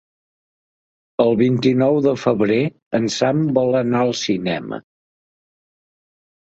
El vint-i-nou de febrer en Sam vol anar al cinema.